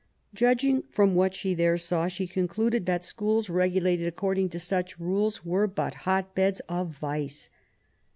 Judging from what she there saw, she concluded that schools regulated accord LIFE A8 G0VEBNE88. 61 ing to such rules were but hot beds of vice.